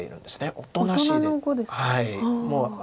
大人の碁ですか。